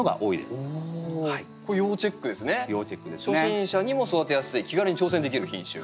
初心者にも育てやすい気軽に挑戦できる品種。